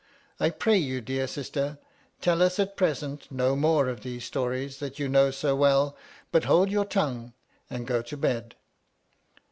I pray you dear sister, tell us at present no more of those stories that you know so well, but hold your tongue and go to bed.